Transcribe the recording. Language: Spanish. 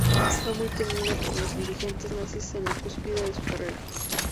Fue muy temido por los dirigentes nazis en la cúspide de su carrera.